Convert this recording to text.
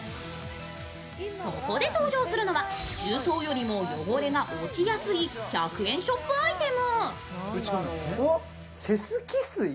そこで登場するのは重曹よりも汚れが落ちやすい１００円ショップアイテム。